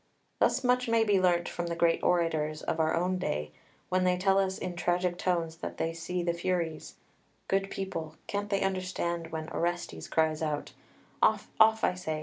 Thus much may be learnt from the great orators of our own day, when they tell us in tragic tones that they see the Furies good people, can't they understand that when Orestes cries out "Off, off, I say!